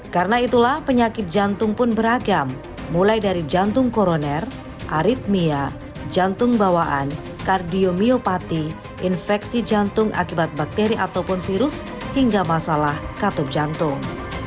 karena itulah penyakit jantung pun beragam mulai dari jantung koroner aritmia jantung bawaan kardiomiopati infeksi jantung akibat bakteri ataupun virus hingga masalah katup jantung